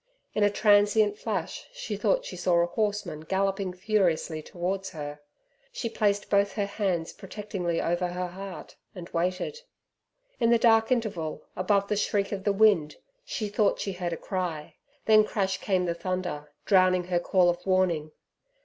In a transient flash she thought she saw a horseman galloping furiously towards her. She placed both her hands protectingly over her heart, and waited. In the dark interval, above the shriek of the wind, she thought she heard a cry, then crash came the thunder, drowning her call of warning.